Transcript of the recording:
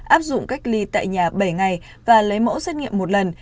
áp dụng cách ly tại nhà bảy ngày và lấy mẫu xét nghiệm một lần